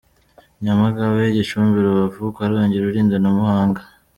Nyamagabe, Gicumbi, Rubavu, Karongi, Rulindo na Muhanga.